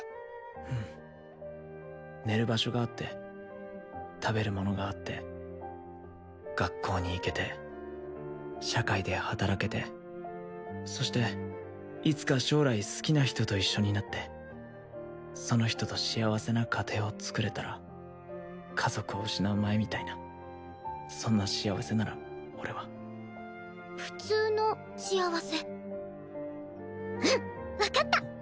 うん寝る場所があって食べるものがあって学校に行けて社会で働けてそしていつか将来好きな人と一緒になってその人と幸せな家庭をつくれたら家族を失う前みたいなそんな幸せなら俺は普通の幸せうん分かった！